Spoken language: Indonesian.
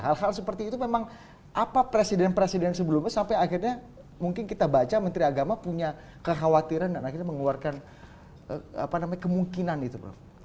hal hal seperti itu memang apa presiden presiden sebelumnya sampai akhirnya mungkin kita baca menteri agama punya kekhawatiran dan akhirnya mengeluarkan kemungkinan itu prof